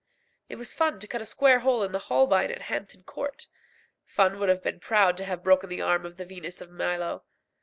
It was fun to cut a square hole in the Holbein at Hampton Court. Fun would have been proud to have broken the arm of the Venus of Milo.